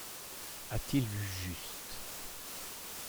A-t-il vu juste ?